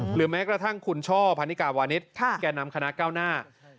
หรือแม้กระทั่งคุณช่อพันนิกาวานิสแก่นำคณะเก้าหน้า